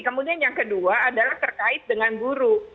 kemudian yang kedua adalah terkait dengan guru